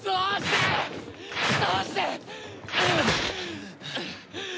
どうして！